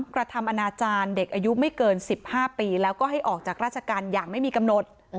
กระทำอนาจารย์เด็กอายุไม่เกิน๑๕ปีแล้วก็ให้ออกจากราชการอย่างไม่มีกำหนด